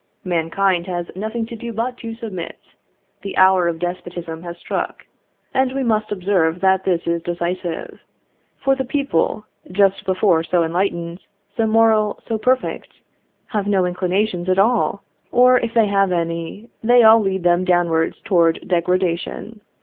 Mankind has nothing to do but to submit; the hour of despotism has struck. And we must observe that this is decisive; for the people, just before so enlightened, so moral, so perfect, have no inclinations at all, or, if they have any, they all lead them downwards towards degradation.